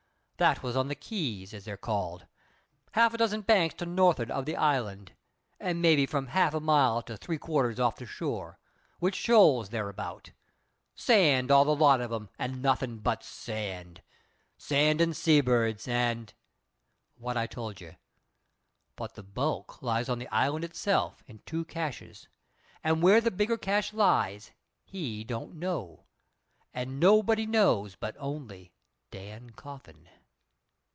That was on the Keys, as they're called half a dozen banks to no'thard of the island, and maybe from half a mile to three quarters off the shore, which shoals thereabout sand, all the lot of 'em, and nothin' but sand; sand and sea birds, and what I told you. But the bulk lies in the island itself, in two caches; and where the bigger cache lies he don't know, and nobody knows but only Dan Coffin."